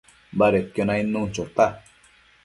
badedquio nainnu chota